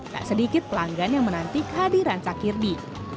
tak sedikit pelanggan yang menanti kehadiran sakirdi